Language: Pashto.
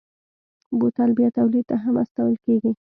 بوتل بیا تولید ته هم استول کېږي.